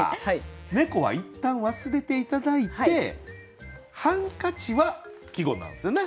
猫は一旦忘れて頂いてハンカチは季語なんですよね？